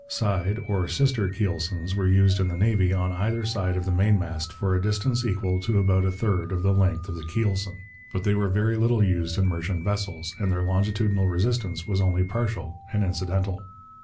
Side or 'sister' keelsons were used in the Navy on either side of the mainmast for a distance equal to about a third of the length of the keelson. But they were little used in merchant vessels, and their longitudinal resistance was only partial and incidental.